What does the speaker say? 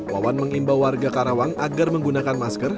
waan mengimba warga karawang agar menggunakan masker